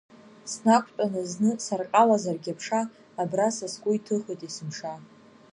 Снақәтәаны зны сарҟьалазаргь аԥша, абра, са сгәы иҭыхоит есымша.